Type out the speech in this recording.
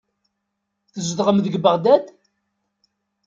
Tzedɣem deg Beɣdad?